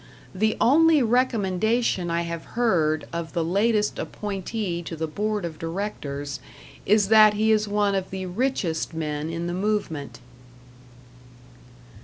The only recommendation I have heard of the latest appointee to the Board of Directors is that he is one of the richest men in the movement.